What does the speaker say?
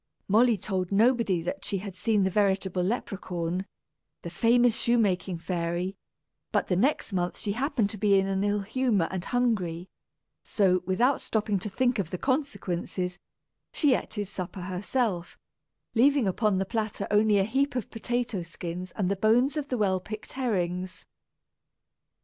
Molly told nobody that she had seen the veritable Leperhaun, the famous shoemaking fairy; but the next month she happened to be in an ill humor and hungry; so, without stopping to think of the consequences, she ate his supper herself leaving upon the platter only a heap of potato skins and the bones of the well picked herrings.